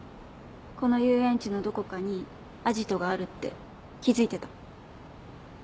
この遊園地のどこかにアジトがあるって気付いてた。